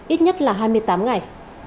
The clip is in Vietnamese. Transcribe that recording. ít nhất là hai mươi tám ngày